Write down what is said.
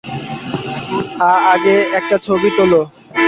আ-আগে একটা ছবি তোলো!